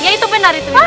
ya itu benar itu ya